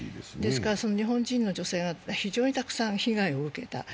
ですから日本人の女性が非常にたくさん被害を受けた。